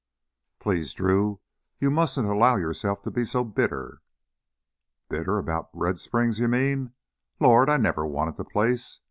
"Please, Drew, you mustn't allow yourself to be so bitter " "Bitter? About Red Springs, you mean? Lord, I never wanted the place.